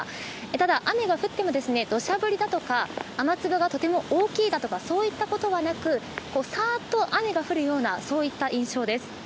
ただ雨が降っても土砂降りだとか雨粒がとても大きいだとかそういったことはなくサーッと雨が降るようなそういった印象です。